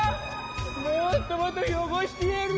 もっともっとよごしてやる。